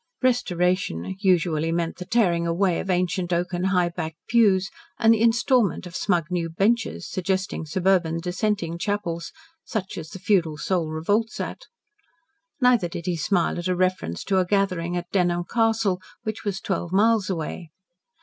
"Restoration" usually meant the tearing away of ancient oaken, high backed pews, and the instalment of smug new benches, suggesting suburban Dissenting chapels, such as the feudal soul revolts at. Neither did he smile at a reference to the gathering at Dunholm Castle, which was twelve miles away.